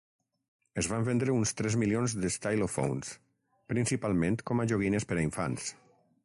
Es van vendre uns tres milions d'Stylophones, principalment com a joguines per a infants.